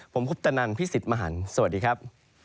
ผมคุปตนันพี่สิทธิ์มหันฯสวัสดีครับ